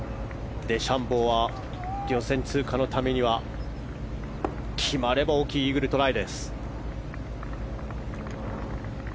デシャンボーは予選通過のためには決まれば大きいイーグルトライ。